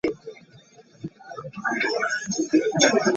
Will has alternated between the two projects, while also releasing solo albums.